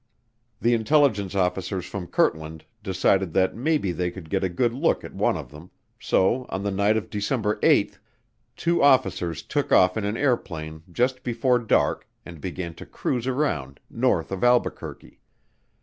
The intelligence officers from Kirtland decided that maybe they could get a good look at one of them, so on the night of December 8 two officers took off in an airplane just before dark and began to cruise around north of Albuquerque.